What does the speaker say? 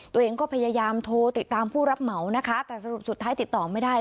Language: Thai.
ตัวเองก็พยายามโทรติดตามผู้รับเหมานะคะแต่สรุปสุดท้ายติดต่อไม่ได้